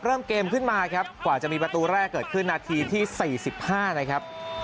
เริ่มเกมขึ้นมาครับกว่าจะมีประตูแรกเกิดขึ้นนาทีที่๔๕นะครับ